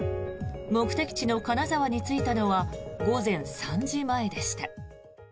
目的地の金沢に着いたのは午前３時前でした。